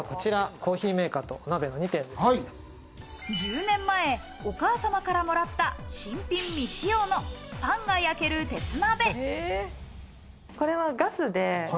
コーヒー１０年前、お母様からもらった新品未使用のパンが焼ける鉄鍋。